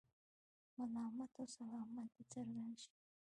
ملامت او سلامت دې څرګند شي.